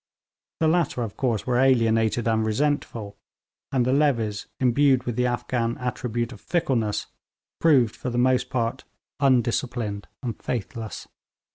The latter, of course, were alienated and resentful, and the levies, imbued with the Afghan attribute of fickleness, proved for the most part undisciplined and faithless.